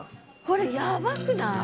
これやばくない？